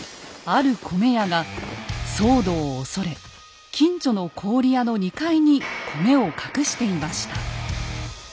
ある米屋が騒動を恐れ近所の氷屋の２階に米を隠していました。